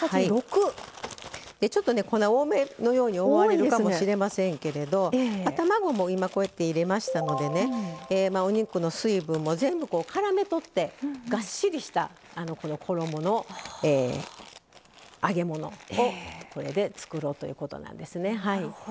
ちょっと粉、多めのように思われるかもしれませんけど卵も今、入れましたのでお肉の水分も絡め取ってがっしりした衣の揚げ物をこれで作ろうということなんですね。